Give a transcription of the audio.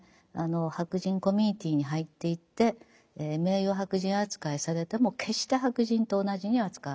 白人コミュニティーに入っていって名誉白人扱いされても決して白人と同じには扱われないという。